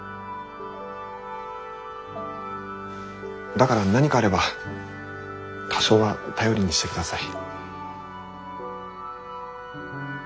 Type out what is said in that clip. だから何かあれば多少は頼りにしてください。